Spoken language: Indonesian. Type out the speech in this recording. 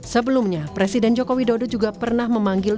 sebelumnya presiden jokowi dodo juga pernah memanggil